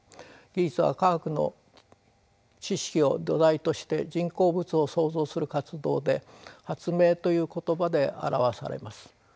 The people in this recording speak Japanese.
技術は科学の知識を土台として人工物を創造する活動で発明という言葉で表されます。